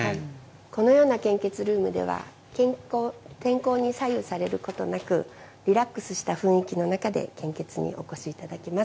このような献血ルームでは天候に左右されることなく、リラックスした雰囲気の中で献血にお越しいただけます。